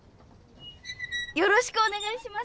よろしくお願いします。